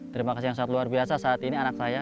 terima kasih yang sangat luar biasa saat ini anak saya